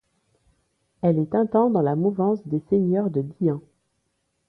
Elle est un temps dans la mouvance des seigneurs de Diant.